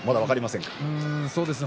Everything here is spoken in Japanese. そうですね。